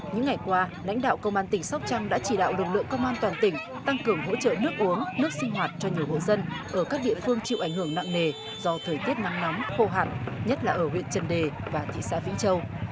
những ngày qua lãnh đạo công an tỉnh sóc trăng đã chỉ đạo lực lượng công an toàn tỉnh tăng cường hỗ trợ nước uống nước sinh hoạt cho nhiều hộ dân ở các địa phương chịu ảnh hưởng nặng nề do thời tiết nắng nóng khô hạn nhất là ở huyện trần đề và thị xã vĩnh châu